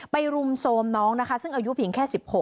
รุมโทรมน้องนะคะซึ่งอายุเพียงแค่๑๖